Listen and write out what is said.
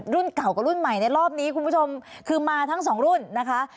รุ่นเก่ากับรุ่นใหม่ในรอบนี้คุณผู้ชมคือมาทั้งสองรุ่นนะคะ